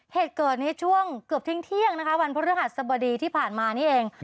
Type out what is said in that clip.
เหตุเกิดนี้ช่วงเกือบทิ้งเที่ยงนะคะวันพฤหัสสบดีที่ผ่านมานี่เอง